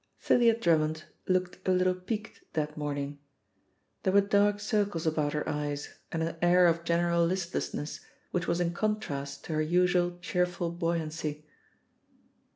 Thalia Drummond looked a little peaked that morning. There were dark circles about her eyes, and an air of general listlessness which was in contrast to her usual cheerful buoyancy.